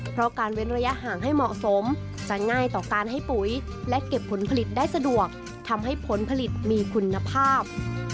เพราะการเว้นระยะห่างให้เหมาะสมจะง่ายต่อการให้ปุ๋ยและเก็บผลผลิตได้สะดวกทำให้ผลผลิตมีคุณภาพ